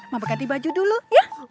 mama ganti baju dulu ya